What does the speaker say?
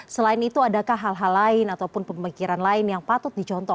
selain itu adakah hal hal lain ataupun pemikiran lain yang patut dicontoh